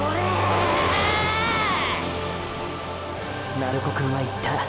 鳴子くんは言った。